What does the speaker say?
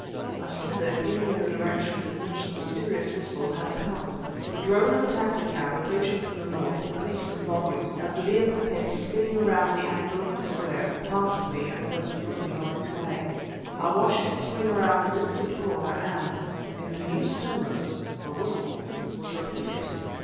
I stood there peering in the direction from which the mysterious whistle had come. The drone of a taxicab, approaching from the north, increased in volume, as the vehicle came spinning around the angle of the square, passed me, and went droning on its way. I watched it swing around the distant corner ... and, in the new stillness, the whistle was repeated!